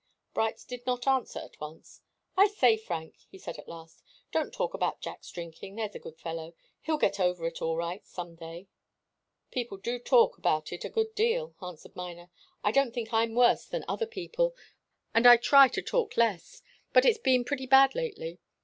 Bright did not answer at once. "I say, Frank," he said at last, "don't talk about Jack's drinking there's a good fellow. He'll get over it all right, some day." "People do talk about it a good deal," answered Miner. "I don't think I'm worse than other people, and I'll try to talk less. But it's been pretty bad, lately.